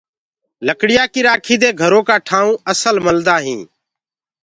لڙيآ ڪي رآکي دي گھرو ڪآ ٺآئونٚ اسل ملدآ هينٚ۔